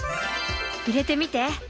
入れてみて。